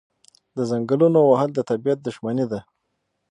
د ځنګلونو وهل د طبیعت دښمني ده.